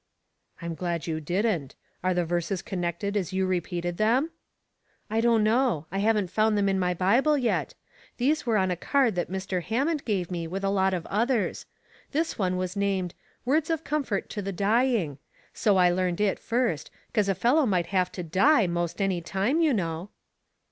"I'm glad you didn't. Are the verses con nected as you repeated them ?"" I don't know. I haven't found them in my Bible yet. These were on a card that Mr. Ham mond gave me with a lot of others. This one was named * Words of Comfort to the Dying,' so I learned it first, 'cause a fellow might have to die most any time, you know."